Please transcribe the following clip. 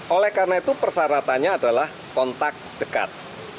oleh karena itu persyaratannya adalah kontak dekat